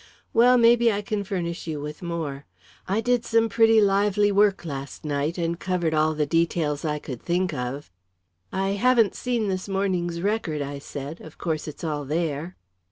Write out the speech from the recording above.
"Well, maybe I can furnish you with more. I did some pretty lively work last night, and covered all the details I could think of." "I haven't seen this morning's Record," I said. "Of course it's all there."